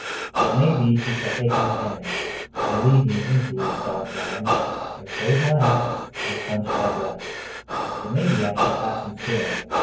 It may be he shall take my handAnd lead me into his dark landAnd close my eyes and quench my breath—It may be I shall pass him still.